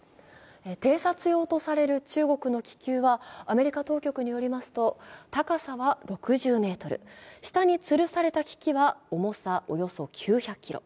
偵察用とされる中国の気球はアメリカ当局によりますと高さは６０ｍ、下につるされた機器は、重さおよそ９００ｋｇ。